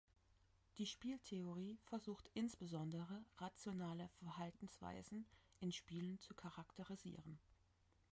Die Spieltheorie versucht insbesondere, rationale Verhaltensweisen in Spielen zu charakterisieren.